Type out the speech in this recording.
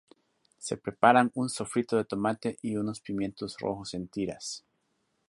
Se preparan un sofrito de tomate y unos pimientos rojos en tiras.